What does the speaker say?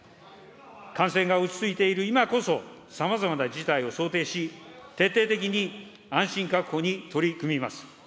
感染が落ち着いている今こそ、さまざまな事態を想定し、徹底的に安心確保に取り組みます。